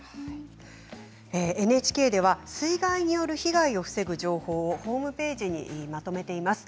ＮＨＫでは水害による被害を防ぐ情報をホームページにまとめています。